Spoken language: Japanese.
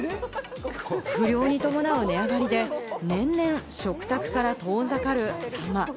不漁に伴う値上がりで、年々、食卓から遠ざかるサンマ。